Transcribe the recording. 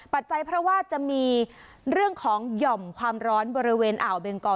ปัจจัยเพราะว่าจะมีเรื่องของหย่อมความร้อนบริเวณอ่าวเบงกอ